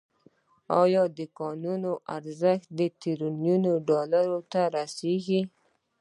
آیا د کانونو ارزښت تریلیونونو ډالرو ته رسیږي؟